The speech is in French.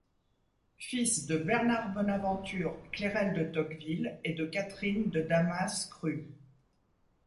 Fils de Bernard-Bonaventure Clérel de Tocqueville et de Catherine de Damas-Crux.